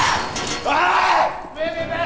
おい！